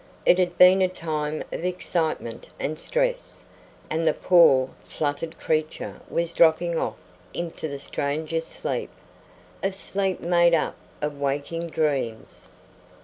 It had been a time of excitement and stress, and the poor, fluttered creature was dropping off into the strangest sleep a sleep made up of waking dreams.